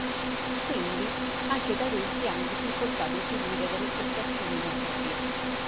Quindi, anche da adulti hanno difficoltà ad eseguire delle prestazioni motorie.